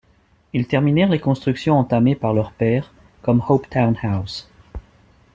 Ils terminèrent les constructions entamées par leur père, comme Hopetoun House.